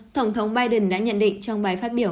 tổng thống biden đã nhận định trong bài phát biểu